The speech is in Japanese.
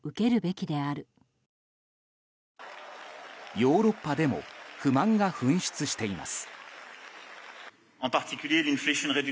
ヨーロッパでも不満が噴出しています。